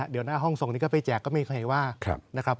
เดี๋ยวหน้าห้องส่งนี้ก็ไปแจกก็ไม่มีใครว่านะครับ